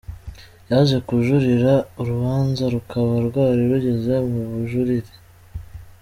Yaje kujurira, urubanza rukaba rwari rugeze mu bujurire.